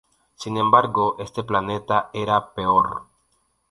Sin embargo, este planeta era peor.